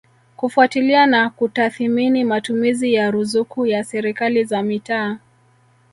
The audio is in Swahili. kufuatilia na kutathimini matumizi ya ruzuku ya Serikali za Mitaa